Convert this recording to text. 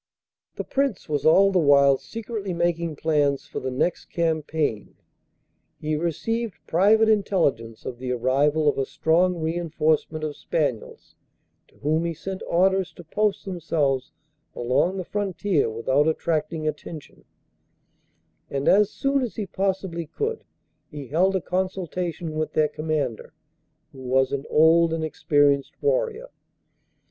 The Prince was all the while secretly making plans for the next campaign; he received private intelligence of the arrival of a strong reinforcement of Spaniels, to whom he sent orders to post themselves along the frontier without attracting attention, and as soon as he possibly could he held a consultation with their Commander, who was an old and experienced warrior.